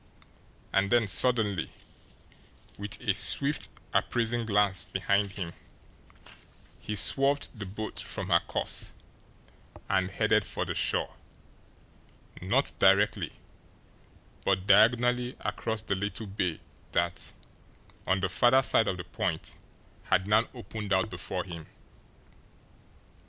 And then suddenly, with a swift, appraising glance behind him, he swerved the boat from her course and headed for the shore not directly, but diagonally across the little bay that, on the farther side of the point, had now opened out before him.